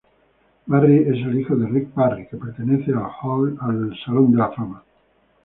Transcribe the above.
Barry es el hijo de Rick Barry, que pertenece al Hall of Fame.